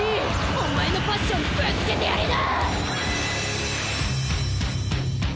おまえのパッションぶつけてやりな！